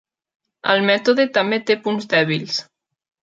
El mètode també té punts dèbils.